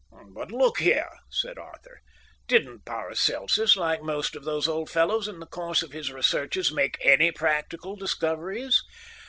"But look here," said Arthur, "didn't Paracelsus, like most of these old fellows, in the course of his researches make any practical discoveries?"